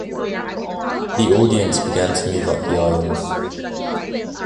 The audience began to move up the aisles.